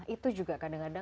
itu juga kadang kadang